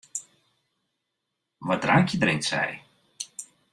Wat drankje drinkt sy?